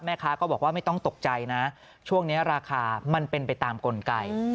แม่ค้าก็บอกว่าไม่ต้องตกใจนะช่วงนี้ราคามันเป็นไปตามกลไก